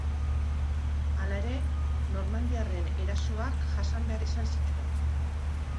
Hala ere, normandiarren erasoak jasan behar izan zituen.